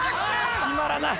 決まらない！